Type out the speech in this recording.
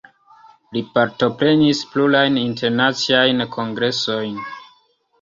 Li partoprenis plurajn internaciajn kongresojn.